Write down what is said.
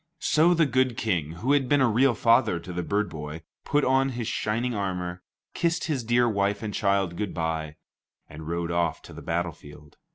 So the good King, who had been a real father to the bird boy, put on his shining armor, kissed his dear wife and child good bye, and rode off to the battlefield.